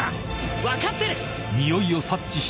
分かってる！